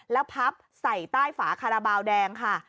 แล้วพับใส่ใต้ฝาคาราบาลแดงค่ะ